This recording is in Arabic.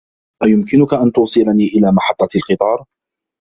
أيمكنك أن توصلني إلى محطة القطار ؟